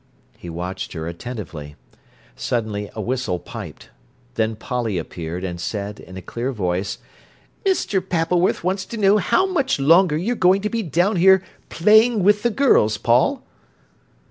He watched her attentively. Suddenly a whistle piped. Then Polly appeared, and said in a clear voice: "Mr. Pappleworth wants to know how much longer you're going to be down here playing with the girls, Paul."